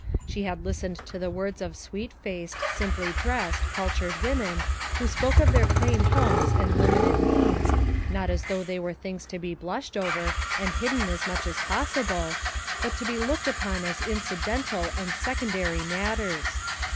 She had listened to the words of sweet faced, simply dressed, cultured women, who spoke of their plain homes and limited means, not as though they were things to be blushed over and hidden as much as possible, but to be looked upon as incidental and secondary matters.